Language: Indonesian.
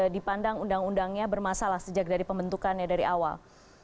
dipandang undangnya bermasalah sejak dari pembentukannya dari awal